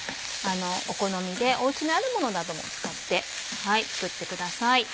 お好みでおうちにあるものなども使って作ってください。